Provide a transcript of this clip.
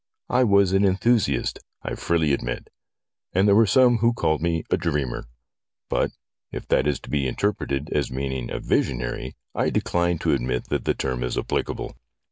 I was an enthusiast, I freely admit ; and there were some who called me a dreamer ; but, if that is to be interpreted as meaning a visionary, I de cline to admit that the term was applicable.